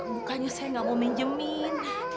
bukannya saya nggak mau minjemin